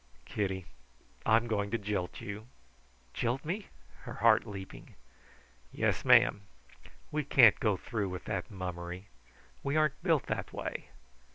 Kitty, I'm going to jilt you." "Jilt me?" her heart leaping. "Yes, ma'am. We can't go through with that mummery. We aren't built that way.